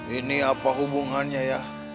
ini apa hubungannya ya